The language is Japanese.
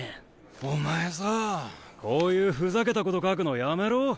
お前さぁこういうふざけたこと書くのやめろ。